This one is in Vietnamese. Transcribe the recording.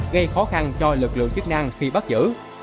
gây khó khăn cho lực lượng chức năng khi bắt giữ